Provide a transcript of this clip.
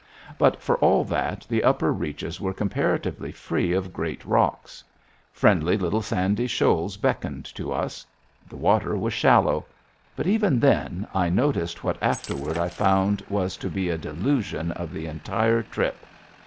But, for all that, the upper reaches were comparatively free of great rocks. Friendly little sandy shoals beckoned to us. The water was shallow. But, even then, I noticed what afterward I found was to be a delusion of the entire trip.